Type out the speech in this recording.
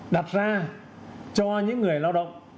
đặt ra cho những người lao động